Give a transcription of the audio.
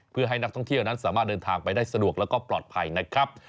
เพื่อให้นักท่องเที่ยวนั้นสามารถเดินทางไปได้สะดวกแล้วก็ปลอดภัยนะครับ